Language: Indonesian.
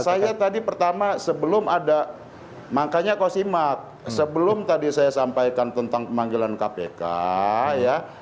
saya tadi pertama sebelum ada makanya kau simak sebelum tadi saya sampaikan tentang pemanggilan kpk ya